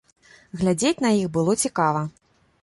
Глядзець на іх было цікава.